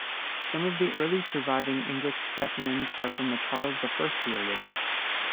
Some of the early surviving English specimens are from the Charles the First period.